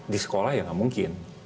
di sekolah ya nggak mungkin